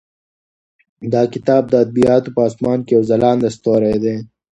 دا کتاب د ادبیاتو په اسمان کې یو ځلانده ستوری دی.